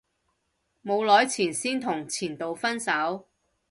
冇耐前先同前度分手